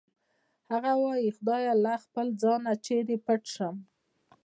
هغه وایی خدایه له خپله ځانه چېرې پټ شم